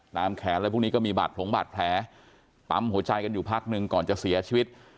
แขนอะไรพวกนี้ก็มีบาดผงบาดแผลปั๊มหัวใจกันอยู่พักหนึ่งก่อนจะเสียชีวิต